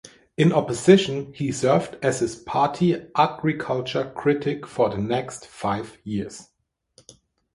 In opposition, he served as his party's Agriculture Critic for the next five years.